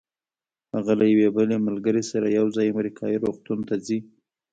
هغه له یوې بلې ملګرې سره یو ځای امریکایي روغتون ته ځي.